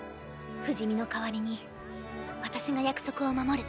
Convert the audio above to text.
不死身のかわりに私が約束を守る。